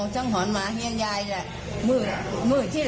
ฝันว่าใครมาเรียก